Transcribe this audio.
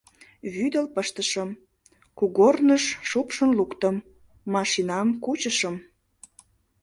Вӱдыл пыштышым, кугорныш шупшын луктым, машинам кучышым...